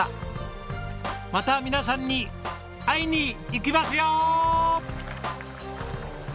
また皆さんに会いに行きますよ！